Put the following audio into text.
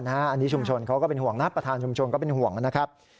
อันนี้ชุมชนเขาก็เป็นห่วงนะประธานชุมชนก็เป็นห่วงนะครับ